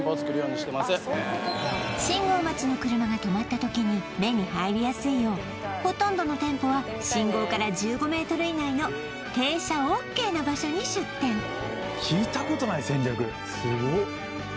信号待ちの車が止まった時に目に入りやすいようほとんどの店舗は信号から１５ｍ以内の停車ＯＫな場所に出店すごっ